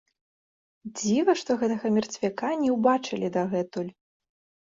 Дзіва, што гэтага мерцвяка не ўбачылі дагэтуль.